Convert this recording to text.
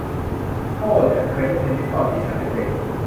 โอ้ ฉันเคยเล่นเทนนิสตอนที่ฉันเป็นเด็ก